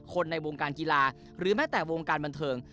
ในวงการกีฬาหรือแม้แต่วงการบันเทิง